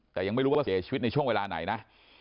แต่ยังไม่รู้ว่าเสียชีวิตในช่วงเวลาไหนนะ